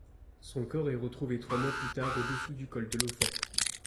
Son corps est retrouvé trois mois plus tard au-dessous du col de l'Ofen.